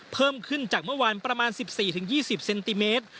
เพิ่มขึ้นจากเมื่อวานประมาณ๑๔๒๐เซนติเมตร